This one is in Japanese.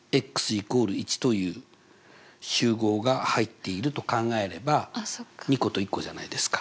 １という集合が入っていると考えれば２個と１個じゃないですか。